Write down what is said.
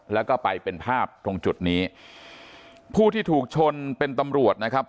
แล้วก็ไปเป็นภาพตรงจุดนี้ผู้ที่ถูกชนเป็นตำรวจนะครับ